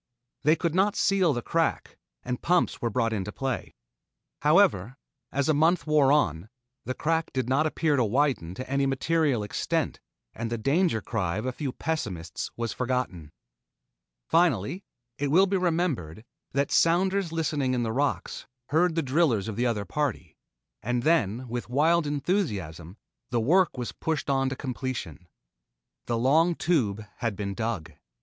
They could not seal the crack, and pumps were brought into play. However, as a month wore on, the crack did not appear to widen to any material extent and the danger cry of a few pessimists was forgotten. Finally, it will be remembered, that sounders listening in the rocks heard the drillers of the other party, and then with wild enthusiasm the work was pushed on to completion. The long Tube had been dug.